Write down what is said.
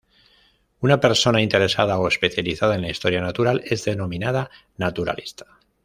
Una persona interesada o especializada en la "historia natural" es denominada "naturalista".